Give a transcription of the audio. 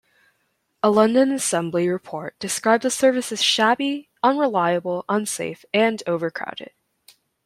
A London Assembly report described the service as "shabby, unreliable, unsafe and overcrowded".